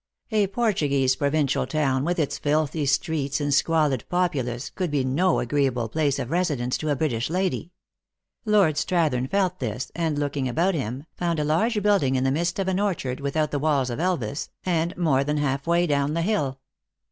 A Portuguese provincial town, with its filthy streets and squalid populace, could be no agreeable place of residence to a British lady. Lord Strathern felt this, and, looking about him, found a large building in the midst of an orchard without the walls of Elvas, and more than half way down the hill.